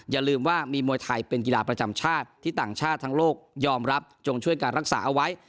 อย่าลืมว่ามีมวยไทยเป็นกีฬาประจำชาติที่ต่างชาติทั้งโลกยอมรับจงช่วยการรักษาเอาไว้